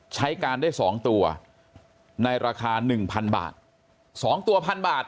ใช้การได้๒ตัวในราคา๑๐๐บาท๒ตัวพันบาท